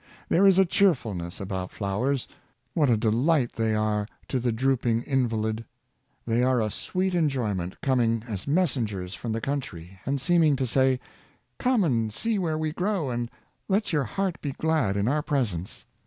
There is a cheerfulness about flowers. What a delight are they to the drooping invalid ! They are a sweet enjoy ment, coming as messengers from the country, and seeming to say, " come and see where we grow and let your heart be glad in our presence."